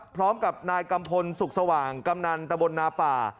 พร้อมกับนายกัมพลสุขสว่างกำนันตะบนนาป่า